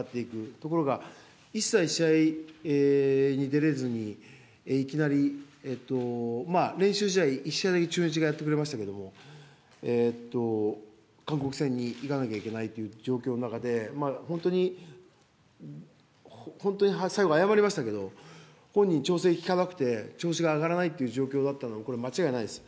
ところが一切試合に出れずに、いきなり。練習試合、１試合だけ中日がやってくれましたけど、韓国戦にいかなきゃいけないっていう状況の中で、本当に、本当に最後謝りましたけど、本人、調整きかなくて、調子が上がらないっていう状況だったの、これ間違いないです。